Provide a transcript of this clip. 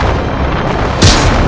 mereka batara besar